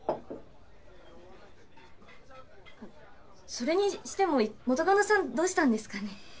それにしても元カノさんどうしたんですかね？